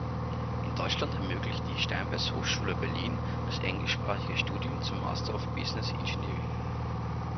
In Deutschland ermöglicht die Steinbeis-Hochschule Berlin das englischsprachige Studium zum Master of Business Engineering.